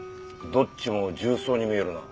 どっちも銃創に見えるな。